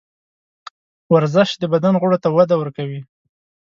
ورزش د بدن غړو ته وده ورکوي.